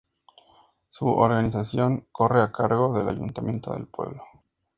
Su organización corre a cargo del ayuntamiento del pueblo.